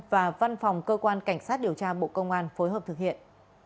và văn phòng cơ quan cảnh sát điều tra bộ công an phối hợp thực hiện